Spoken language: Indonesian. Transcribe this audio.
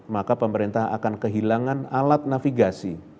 maka pemerintah akan kehilangan alat navigasi